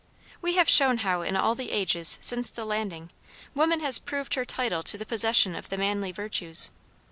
We have shown how in all the ages since the landing, woman has proved her title to the possession of the manly virtues.